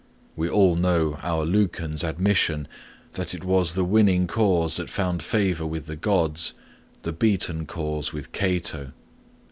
We all know our Lucan's admonition that it was the winning cause that found favour with the gods, the beaten cause with Cato.